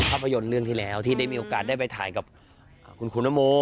ภาพยนตร์เรื่องที่แล้วที่ได้มีโอกาสได้ไปถ่ายกับคุณคุณโม